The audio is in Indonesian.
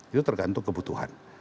itu tergantung kebutuhan